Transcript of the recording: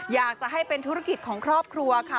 อยากจะให้เป็นธุรกิจของครอบครัวค่ะ